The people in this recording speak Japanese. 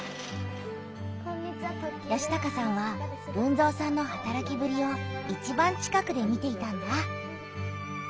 嘉孝さんは豊造さんのはたらきぶりをいちばん近くで見ていたんだ。